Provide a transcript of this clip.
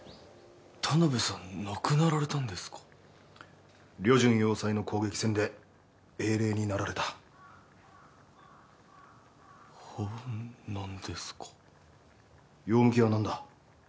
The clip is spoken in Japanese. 田辺さん亡くなられたんですか旅順要塞の攻撃戦で英霊になられたほうなんですか用向きは何だ？